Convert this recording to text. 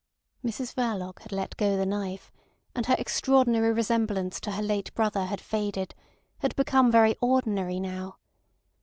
Mrs Verloc had let go the knife, and her extraordinary resemblance to her late brother had faded, had become very ordinary now.